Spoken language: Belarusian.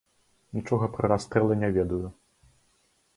Нічога пра расстрэлы не ведаю.